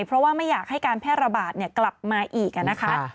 เพราะว่าไม่อยากให้การแพร่ระบาดกลับมาอีกนะคะ